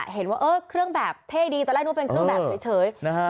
อ่ะเห็นว่าเออเครื่องแบบเท่ดีแต่แรกนึงเป็นเครื่องแบบเฉยเฉย